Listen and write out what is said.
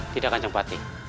tidak kanjeng pati